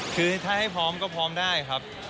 คือถ้าให้พร้อมก็พร้อมได้ครับ